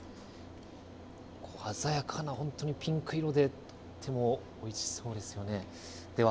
鮮やかな本当にピンク色で、とてもおいしそうですよね。